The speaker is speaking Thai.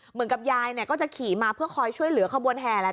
เหมือนกับยายก็จะขี่มาเพื่อคอยช่วยเหลือขบวนแห่แหละ